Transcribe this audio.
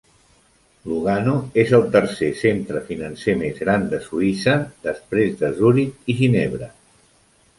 Lugano és el tercer centre financer més gran de Suïssa després de Zuric i Ginebra.